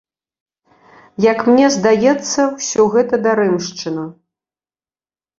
Як мне здаецца, усё гэта дарэмшчына.